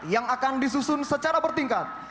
yang akan disusun secara bertingkat